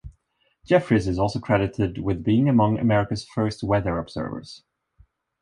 Jeffries is also credited with being among America's first weather observers.